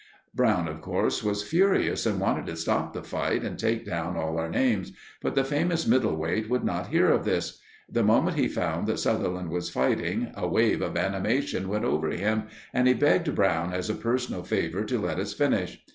Brown, of course, was furious and wanted to stop the fight and take down all our names; but the famous middle weight would not hear of this. The moment he found that Sutherland was fighting, a wave of animation went over him and he begged Brown as a personal favour to let us finish.